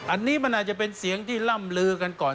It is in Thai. อันนี้มันอาจจะเป็นเสียงที่ล่ำลือกันก่อน